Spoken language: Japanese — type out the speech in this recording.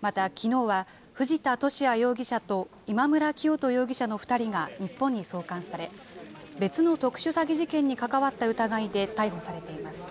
またきのうは、藤田聖也容疑者と今村磨人容疑者の２人が日本に送還され、別の特殊詐欺事件に関わった疑いで逮捕されています。